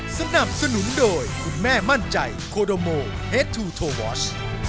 สนับสนุนโดยคุณแม่มั่นใจโคโดโมเฮดทูโทวอช